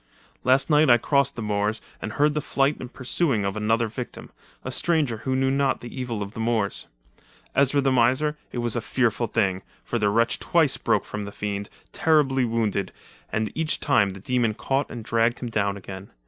"Last night I crossed the moors, and heard the flight and pursuing of another victim, a stranger who knew not the evil of the moors. Ezra the miser, it was a fearful thing, for the wretch twice broke from the fiend, terribly wounded, and each time the demon caught and dragged him down again.